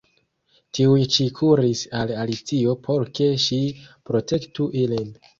Tiuj ĉi kuris al Alicio por ke ŝi protektu ilin.